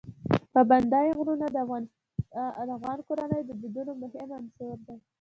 پابندی غرونه د افغان کورنیو د دودونو مهم عنصر دی.